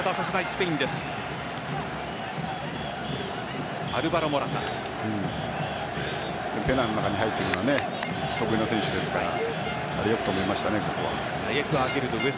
ペナの中に入ってくるのは得意な選手ですからよく止めましたね。